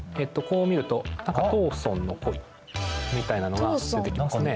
こう見ると何か「藤村の恋」みたいなのが出てきますね。